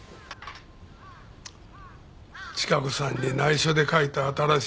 チカ子さんに内緒で書いた新しい遺言